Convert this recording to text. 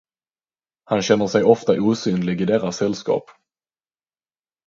Han känner sig ofta osynlig i deras sällskap.